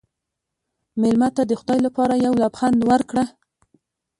مېلمه ته د خدای لپاره یو لبخند ورکړه.